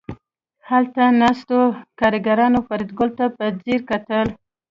هلته ناستو کارګرانو فریدګل ته په ځیر کتل